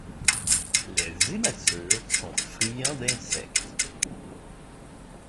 Les immatures sont friands d’insectes.